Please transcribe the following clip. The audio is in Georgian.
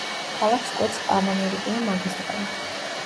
ქალაქს კვეთს პანამერიკული მაგისტრალი.